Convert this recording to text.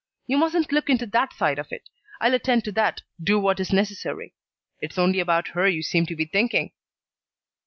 You mustn't look into that side of it. I'll attend to that, do what is necessary. It's only about her you seem to be thinking."